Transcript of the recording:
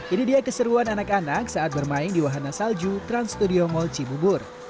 ini dia keseruan anak anak saat bermain di wahana salju trans studio mall cibubur